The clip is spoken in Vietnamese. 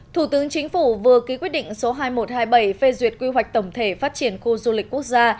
thủ tướng chính phủ vừa ký quyết định số hai nghìn một trăm hai mươi bảy phê duyệt quy hoạch tổng thể phát triển khu du lịch quốc gia